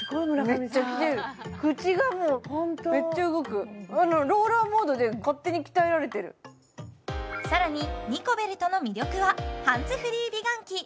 めっちゃきてる口がもうめっちゃ動くローラーモードで勝手に鍛えられてるさらにニコベルトの魅力はハンズフリー美顔器